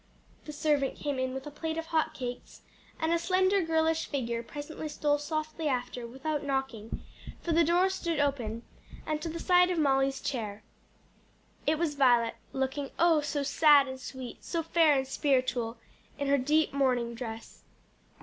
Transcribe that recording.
The servant came in with a plate of hot cakes, and a slender girlish figure presently stole softly after, without knocking, for the door stood open, and to the side of Molly's chair. It was Violet, looking, oh so sad and sweet, so fair and spiritual in her deep mourning dress.